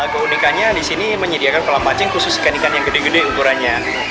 keunikannya di sini menyediakan kolam mancing khusus ikan ikan yang gede gede ukurannya